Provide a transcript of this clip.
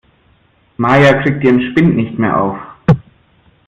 Maja kriegt ihren Spind nicht mehr auf.